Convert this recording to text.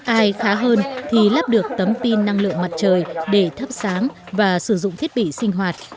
ai khá hơn thì lắp được tấm pin năng lượng mặt trời để thắp sáng và sử dụng thiết bị sinh hoạt